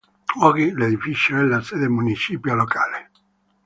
Oggi l'edificio è la sede municipio locale.